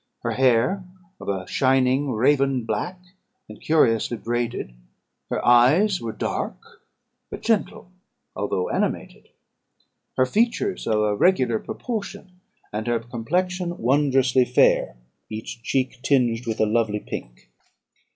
Her hair of a shining raven black, and curiously braided; her eyes were dark, but gentle, although animated; her features of a regular proportion, and her complexion wondrously fair, each cheek tinged with a lovely pink.